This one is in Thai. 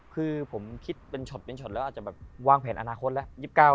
คือผมคิดเป็นช็อตเป็นช็อตแล้วอาจจะแบบวางแผนอนาคตแล้ว